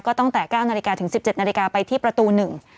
ก็ตั้งแต่๙นาฬิกาถึง๑๗นาฬิกาไปที่ประตู๑